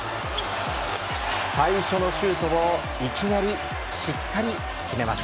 最初のシュートをいきなりしっかり決めます。